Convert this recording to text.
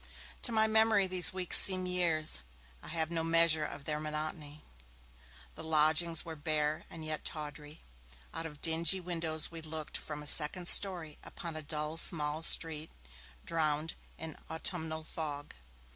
To my memory these weeks seem years; I have no measure of their monotony. The lodgings were bare and yet tawdry; out of dingy windows we looked from a second storey upon a dull small street, drowned in autumnal fog.